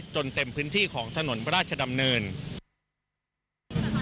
เต็มพื้นที่ของถนนพระราชดำเนิน